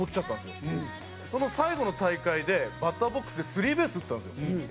その最後の大会でバッターボックスでスリーベース打ったんですよ。